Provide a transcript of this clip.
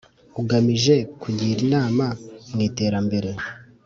Ugamije Kugira Inama mu Iterambere